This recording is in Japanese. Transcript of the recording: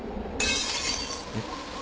・えっ？